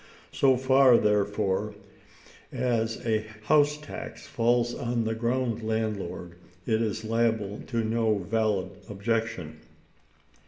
So far, therefore, as a house tax falls on the ground landlord, it is liable to no valid objection.